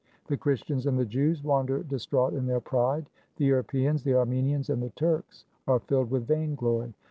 The Christians and the Jews wander dis traught in their pride. The Europeans, the Armenians, and the Turks are filled with vainglory.